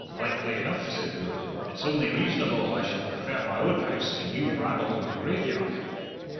"Likely enough!" said Gourlay. "It's only reasonable I should prefer my own house to you rabble in the graveyard!"